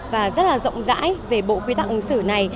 và rất là rộng rãi về bộ quy tắc ứng xử này